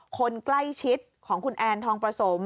คนใกล้ชิดของคุณแอนทองประสม